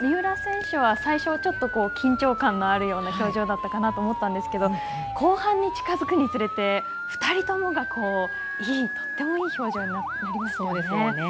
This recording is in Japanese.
三浦選手は最初、緊張感のあるような表情だったかなと思ったんですけど後半に近づくにつれ、２人ともがとてもいい表情になりましたよね。